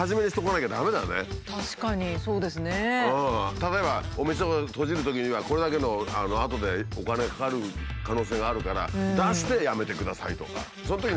例えばお店を閉じるときにはこれだけのあとでお金かかる可能性があるから出してやめてくださいとか。